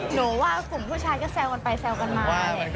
หนูว่ากลุ่มผู้ชายก็แซวกันไปแซวกันมา